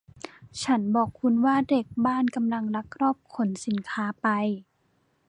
ฉันบอกคุณว่าเด็กบ้านกำลังลักลอบขนสินค้าไป